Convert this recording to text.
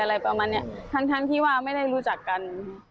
อะไรประมาณนี้ทั้งที่ว่าไม่ได้รู้จักกัน